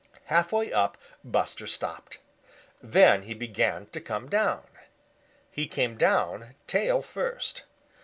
Halfway up Buster stopped. Then he began to come down. He came down tail first.